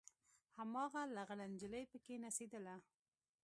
هماغه لغړه نجلۍ پکښې نڅېدله.